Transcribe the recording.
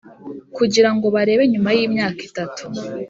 kugira ngo barebe nyuma y’imyaka itatu